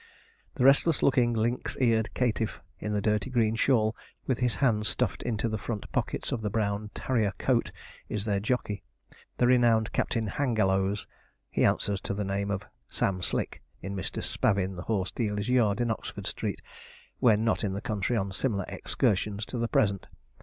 The restless looking, lynx eyed caitiff, in the dirty green shawl, with his hands stuffed into the front pockets of the brown tarriar coat, is their jockey, the renowned Captain Hangallows; he answers to the name of Sam Slick in Mr. Spavin the horse dealer's yard in Oxford Street, when not in the country on similar excursions to the present.